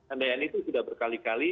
andayan itu tidak berkali kali